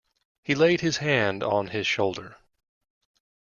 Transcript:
He laid his hand on his shoulder.